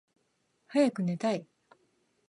はやくねたい